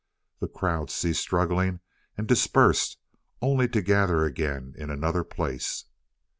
The crowd ceased struggling and dispersed, only to gather again in another place.